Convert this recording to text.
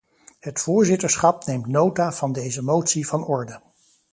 Het voorzitterschap neemt nota van deze motie van orde.